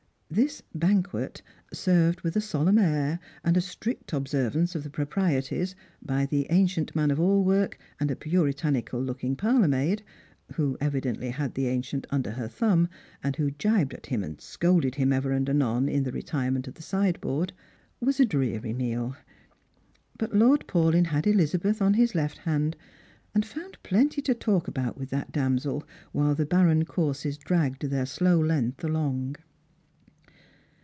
This banquet — served with a solemn air, and a strict observance of the pro prieties, by the ancient man of all work and a puritanical look ing parlour maid, who evidently had the ancient under her thumb, and who gibed at him and scolded him ever and anon in the retirement of the sideboard — was a somewhat dreary meal ; but Lord Paulyn had Elizabeth on his left hand, and found plenty to talk about with that damsel while the barren courses dragged their slow length along.